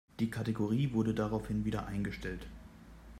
Die Kategorie wurde daraufhin wieder eingestellt.